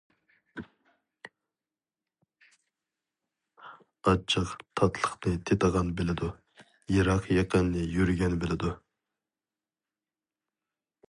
ئاچچىق تاتلىقنى تېتىغان بىلىدۇ، يىراق يېقىننى يۈرگەن بىلىدۇ.